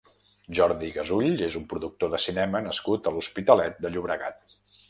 Jordi Gasull és un productor de cinema nascut a l'Hospitalet de Llobregat.